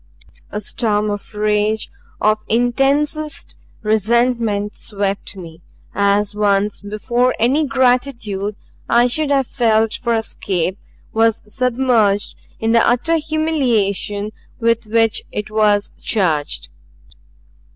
A storm of rage, of intensest resentment swept me; as once before any gratitude I should have felt for escape was submerged in the utter humiliation with which it was charged.